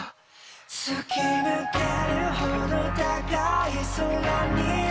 「突き抜けるほど高い空に」